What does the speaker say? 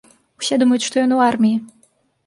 Усе думаюць, што ён у арміі.